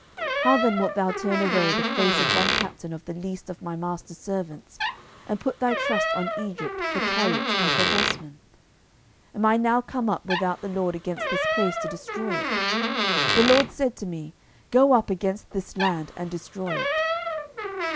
12:018:024 How then wilt thou turn away the face of one captain of the least of my master's servants, and put thy trust on Egypt for chariots and for horsemen? 12:018:025 Am I now come up without the LORD against this place to destroy it? The LORD said to me, Go up against this land, and destroy it.